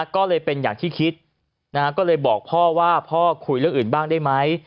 ก็เลยเป็นอย่างที่คิดก็เลยบอกพ่อว่าพ่อคุยเรื่องอื่นบ้างได้ไหม